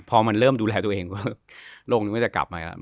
พอมันเริ่มดูแลตัวเองก็โรคนึงก็จะกลับมาแล้ว